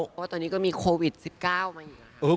เพราะว่าตอนนี้ก็มีโควิด๑๙มาอีก